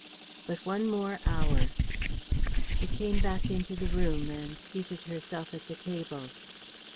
"But one more hour." She came back into the room and seated herself at the table.